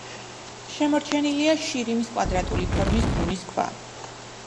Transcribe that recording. შემორჩენილია შირიმის კვადრატული ფორმის ბუნის ქვა.